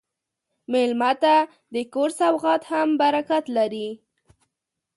مېلمه ته د کور سوغات هم برکت لري.